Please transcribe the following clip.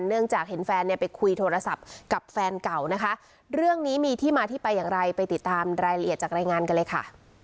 จากเห็นแฟนเนี่ยไปคุยโทรศัพท์กับแฟนเก่านะคะเรื่องนี้มีที่มาที่ไปอย่างไรไปติดตามรายละเอียดจากรายงานกันเลยค่ะ